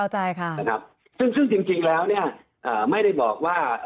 ซึ่งจริงแล้วเนี่ยไม่ได้บอกว่า